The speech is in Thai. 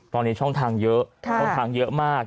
ตอนนี้ช่องทางเยอะเยอะมาก